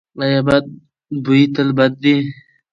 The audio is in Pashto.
ایا بد بوی تل بد دی؟